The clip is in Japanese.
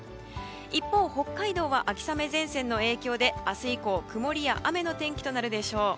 一方、北海道は秋雨前線の影響で明日以降曇りや雨の天気となるでしょう。